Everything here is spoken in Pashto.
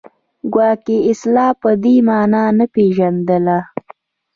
ګواکې اصلاً په دې معنا نه پېژندله